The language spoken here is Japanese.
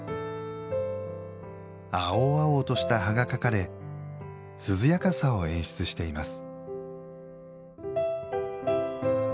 青々とした葉が描かれ涼やかさを演出しています